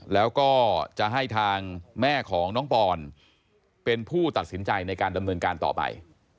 แล้วก็จะให้ทางแม่ของน้องปอนเป็นผู้ตัดสินใจในการดำเนินการต่อไป